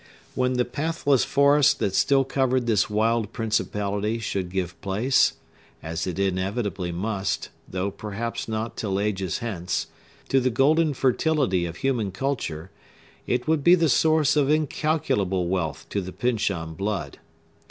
When the pathless forest that still covered this wild principality should give place—as it inevitably must, though perhaps not till ages hence—to the golden fertility of human culture, it would be the source of incalculable wealth to the Pyncheon blood.